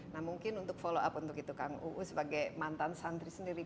nah mungkin untuk follow up untuk itu kang uu sebagai mantan santri sendiri